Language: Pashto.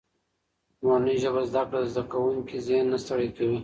په مورنۍ ژبه زده کړه د زده کوونکي ذهن نه ستړی کوي.